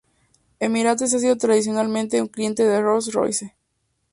Emirates ha sido tradicionalmente un cliente de Rolls-Royce.